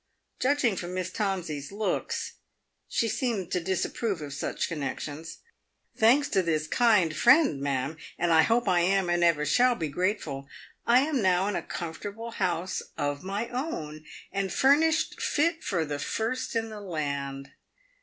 — Judging from Miss Tomsey's looks, she seemed to disapprove of such connexions. —" Thanks to this kind friend, ma'am — and I hope I am and ever shall be grateful — I am now in a comfortable house of my own, and furnished fit for the first in the land.